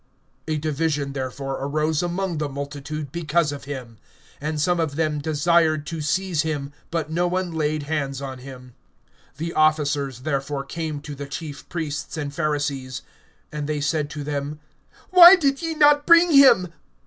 (43)A division therefore arose among the multitude because of him. (44)And some of them desired to seize him; but no one laid hands on him. (45)The officers therefore came to the chief priests and Pharisees; and they said to them: Why did ye not bring him?